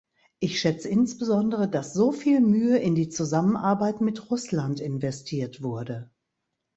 Ich schätze insbesondere, dass so viel Mühe in die Zusammenarbeit mit Russland investiert wurde.